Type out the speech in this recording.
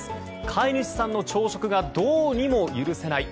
飼い主さんの朝食がどうにも許せない。